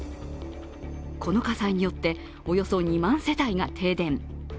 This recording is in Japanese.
この火災によって、およそ２万世帯が停電。